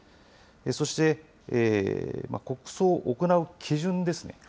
そして、国葬を行う基準ですね。